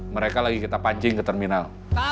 mereka lagi kita pancing ke terminal